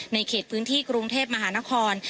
เขตพื้นที่กรุงเทพมหานคร